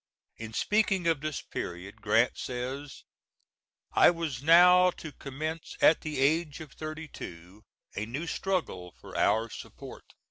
In speaking of this period Grant says, "I was now to commence at the age of thirty two a new struggle for our support."